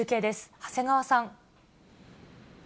長谷川さん。